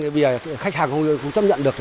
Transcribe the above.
thì bây giờ khách hàng không chấp nhận được